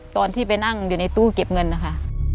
ตอนที่ไปนั่งอยู่ในตู้เก็บเงินนะคะ